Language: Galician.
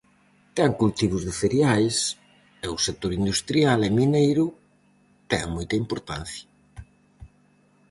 Ten cultivos de cereais e o sector industrial e mineiro ten moita importancia.